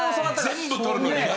全部とるのにね。